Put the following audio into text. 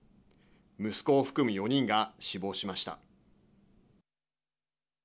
息子を含む４人が死亡しました。